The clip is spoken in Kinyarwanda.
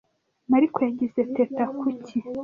Mariko yagize Teta kuki.